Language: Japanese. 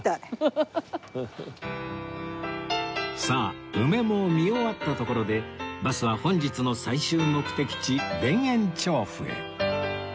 さあ梅も見終わったところでバスは本日の最終目的地田園調布へ